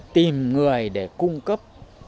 tìm người để cung cấp